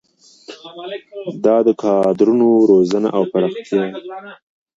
دا د کادرونو روزنه او پراختیا ده.